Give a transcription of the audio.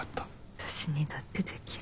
私にだってできる。